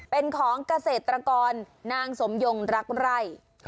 เป็นของเกษตรกรนางสมยงรักไร่